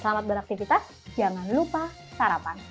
selamat beraktivitas jangan lupa sarapan